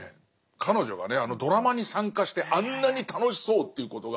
彼女がねあのドラマに参加してあんなに楽しそうっていうことが。